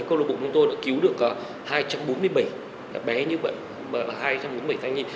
cơ lộ bộ của chúng tôi đã cứu được hai trăm bốn mươi bảy bé như vậy hai trăm bốn mươi bảy thai nhi